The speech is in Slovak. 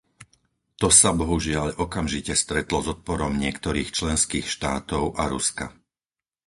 To sa, bohužiaľ, okamžite stretlo s odporom niektorých členských štátov a Ruska.